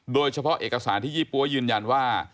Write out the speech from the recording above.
โดยเฉพาะเอกสารที่ยี่ปั๊วยืนยันว่า